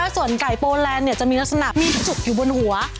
ส่วนไก่โปแลนด์จะมีลักษณะมีจุกอยู่บนหัว